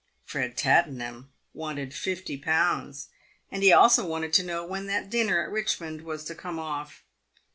Ered Tattenham wanted fifty pounds, and he also wanted to know when that dinner at Bichmond was to come off.